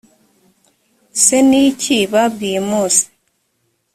se ni iki babwiye mose